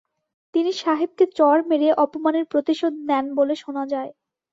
তিনি সাহেবকে চড় মেরে অপমানের প্রতিশোধ নেন বলে শোনা যায়।